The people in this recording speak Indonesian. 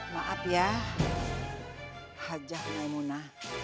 maaf ya hajah maimunah